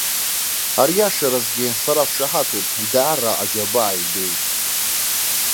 Ариашаразгьы, сара сшаҳаҭуп, даара аџьабаа ибеит.